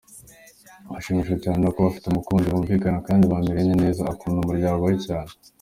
Ashimishwa cyane no kuba afite umukunzi bumvikana kandi bameranye neza, akunda umuryango we cyane.